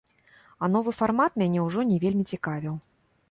А новы фармат мяне ўжо не вельмі цікавіў.